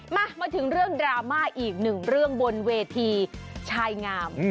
มาถึงเรื่องดราม่าอีกหนึ่งเรื่องบนเวทีชายงาม